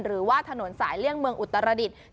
หรือว่าถนนสายเลี่ยงเมืองอุตรดิษฐ์